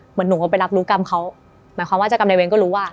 หนูก็ไปรับรู้กรรมเขาหมายความว่าเจ้ากรรมในเวรก็รู้ว่า